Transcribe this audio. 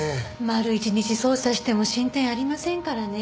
丸一日捜査しても進展ありませんからね。